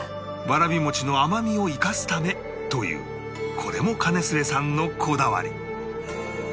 わらび餅の甘みを生かすためというこれも包末さんのこだわり